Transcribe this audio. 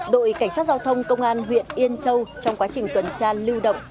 đội cảnh sát giao thông công an huyện yên châu trong quá trình tuần tra lưu động